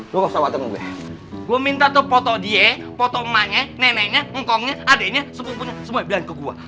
gue minta tuh foto dia foto emaknya neneknya ngkongnya adeknya sepupunya semua bilang ke gua